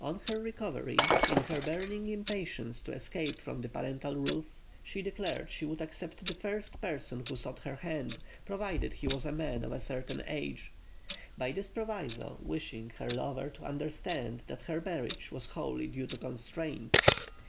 On her recovery, in her burning impatience to escape from the parental roof, she declared she would accept the first person who sought her hand, provided he was a man of a certain age; by this proviso wishing her lover to understand that her marriage was wholly due to constraint.